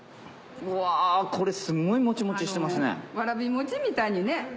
うわぁこれすごいモチモチしてますね。